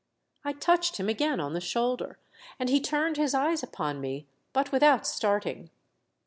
I touched him again on the shoulder, and he turned his eyes upon me, but without start ing.